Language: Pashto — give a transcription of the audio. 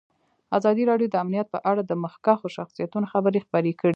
ازادي راډیو د امنیت په اړه د مخکښو شخصیتونو خبرې خپرې کړي.